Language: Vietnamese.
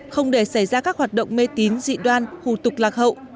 không để xảy ra các hoạt động mê tín dị đoan hù tục lạc hậu